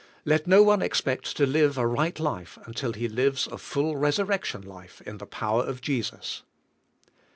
Let no one expect to live a right life until he lives a full resurrection life in the power of Jesus.